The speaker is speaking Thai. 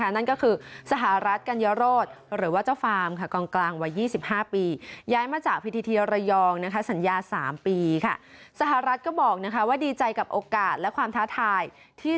นั่นก็คือสหรัฐกัญญโรศหรือว่าเจ้าฟาร์มก่อนกลางวัย๒๕ปี